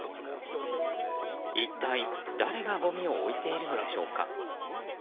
一体誰がごみを置いているのでしょうか。